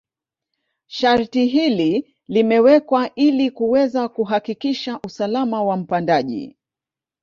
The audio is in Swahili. Sharti hili limewekwa ili kuweza kuhakikisha usalama wa mpandaji